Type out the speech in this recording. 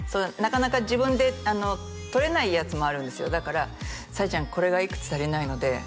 なかなか自分でとれないやつもあるんですよだから「さえちゃんこれがいくつ足りないので」